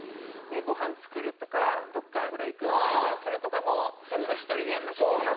ごはん作るとかどっか風呂行くとか移動するとかも全部１人でやんなきゃいけない。